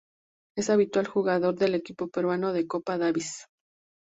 Es habitual jugador del equipo peruano de Copa Davis.